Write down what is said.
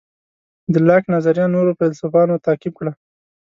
د لاک نظریه نورو فیلیسوفانو تعقیب کړه.